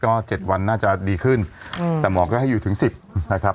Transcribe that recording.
ก็๗วันน่าจะดีขึ้นแต่หมอก็ให้อยู่ถึง๑๐นะครับ